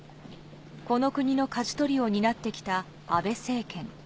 この国のかじ取りを担ってきた安倍政権。